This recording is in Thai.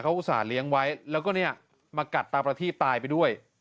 อุตส่าหเลี้ยงไว้แล้วก็เนี่ยมากัดตาประทีบตายไปด้วย